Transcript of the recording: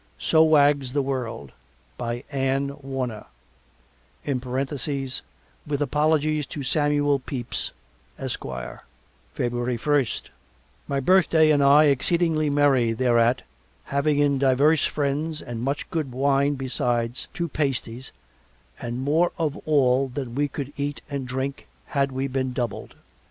SO WAGS THE WORLD BY ANNE WARNER (With apologies to Samuel Pepys, Esquire) February first My birthday and I exceedingly merry thereat having in divers friends and much good wine beside two pasties and more of all than we could eat and drink had we been doubled.